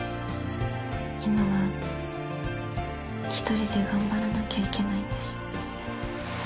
今は１人で頑張らなきゃいけないんです。